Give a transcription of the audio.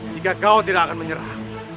jika kau tidak akan menyerah